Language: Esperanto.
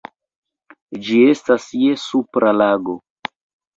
Ĝi estas je Supra Lago.